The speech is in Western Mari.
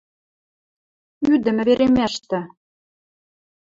– Ӱдӹмӹ веремӓштӹ.